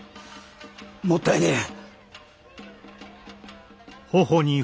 もったいねえ。